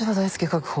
確保。